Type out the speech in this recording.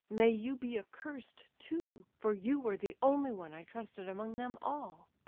May you be accursed too, for you were the only one I trusted among them all!